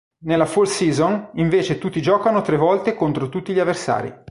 Nella Fall season invece tutti giocano tre volte contro tutti gli avversari.